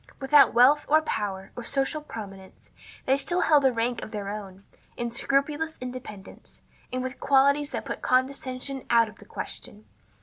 Without wealth, or power, or social prominence, they still held a rank of their own, in scrupulous independence, and with qualities that put condescension out of the question.